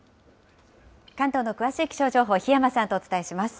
関東の詳しい気象情報、檜山さんとお伝えします。